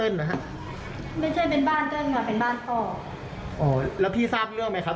เป็นบ้านพ่ออ๋อแล้วพี่ทราบเรื่องไหมครับ